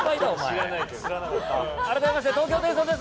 改めまして東京ホテイソンです！